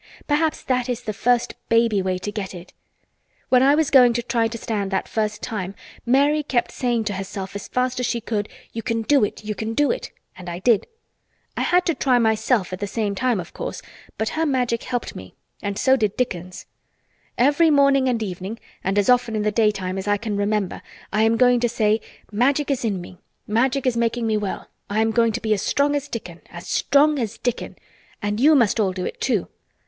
Perhaps that is the first baby way to get it. When I was going to try to stand that first time Mary kept saying to herself as fast as she could, 'You can do it! You can do it!' and I did. I had to try myself at the same time, of course, but her Magic helped me—and so did Dickon's. Every morning and evening and as often in the daytime as I can remember I am going to say, 'Magic is in me! Magic is making me well! I am going to be as strong as Dickon, as strong as Dickon!' And you must all do it, too.